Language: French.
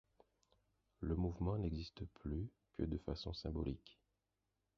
Le mouvement n'existe plus que de façon symbolique.